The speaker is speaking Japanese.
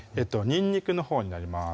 にんにくのほうになります